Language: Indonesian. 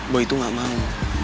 boy tuh gak mau